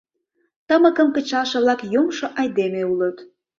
Тымыкым кычалше-влак йомшо айдеме улыт.